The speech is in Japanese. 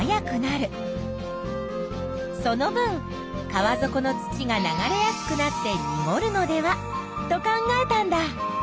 その分川底の土が流れやすくなってにごるのではと考えたんだ。